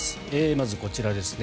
まず、こちらですね。